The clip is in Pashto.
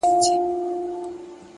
د حقیقت لټون د پوهې پیل دی